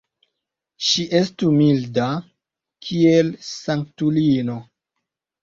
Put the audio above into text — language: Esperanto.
Ŝi estu milda, kiel sanktulino!